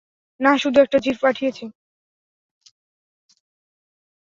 নাহ, শুধু একটা জিফ পাঠিয়েছি।